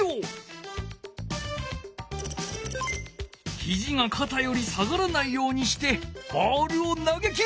ひじがかたより下がらないようにしてボールを投げきる。